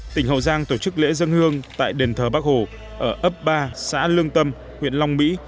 tỉnh hậu giang tổ chức lễ dân hương tại đền thờ bắc hồ ở ấp ba xã lương tâm huyện long mỹ